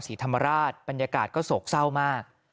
ศรีธรรมราชบรรยากาศก็โศกเศร้ามาก